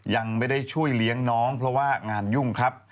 ยังไม่ได้ช่วยเลี้ยงน้องเพราะว่างานยุ่งครับ